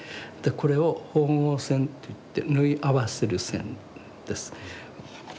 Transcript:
これを縫合線といって縫い合わせる線です。